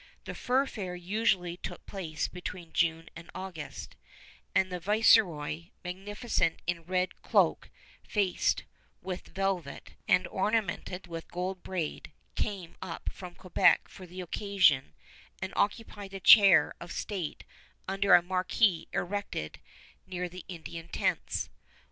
The Fur Fair usually took place between June and August; and the Viceroy, magnificent in red cloak faced with velvet and ornamented with gold braid, came up from Quebec for the occasion and occupied a chair of state under a marquee erected near the Indian tents.